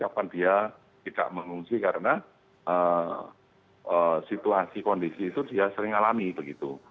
kapan dia tidak mengungsi karena situasi kondisi itu dia sering alami begitu